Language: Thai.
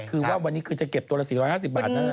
คือว่าวันนี้คือจะเก็บตัวละ๔๕๐บาทนะ